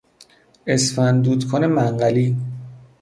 اسفند دود کن منقلی